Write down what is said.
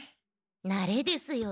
なれですよ。